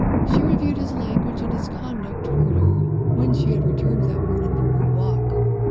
She reviewed his language and his conduct toward her, when she had returned that morning from her walk.